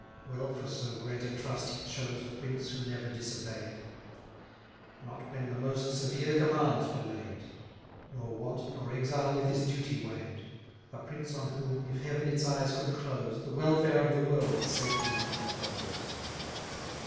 Well for so great a trust he chose A prince who never disobey'd: Not when the most severe commands were laid; Nor want, nor exile with his duty weigh'd: A prince on whom, if Heaven its eyes could close, The welfare of the world it safely might repose.